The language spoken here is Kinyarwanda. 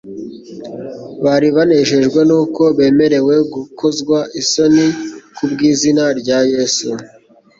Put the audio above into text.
bari «banejejwe nuko bemerewe gukozwa isoni kubw'izina rya Yesu.'»